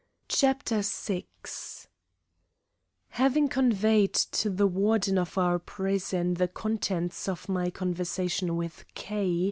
CHAPTER VI Having conveyed to the Warden of our prison the contents of my conversation with K.